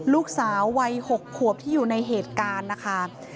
ลูกสาววัย๖ขวบที่อยู่ในเหตุการณ์นะคะ